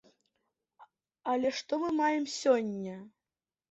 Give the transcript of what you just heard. Але што мы маем сёння?